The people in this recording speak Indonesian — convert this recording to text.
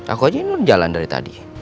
aku aja ini jalan dari tadi